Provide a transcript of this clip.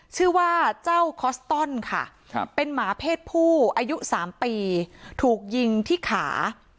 ชื่อว่าเจ้าคอสตอนค่ะเป็นหมาเพศผู้อายุ๓ปีถูกยิงที่ขา